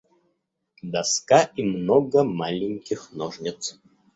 Доска и много маленьких ножниц.